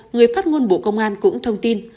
người phát ngôn bộ công an cũng thông tin